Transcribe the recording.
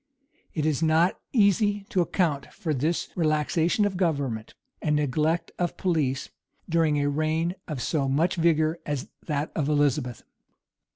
[] It is not easy to account for this relaxation of government, and neglect of police, during a reign of so much vigor as that of Elizabeth.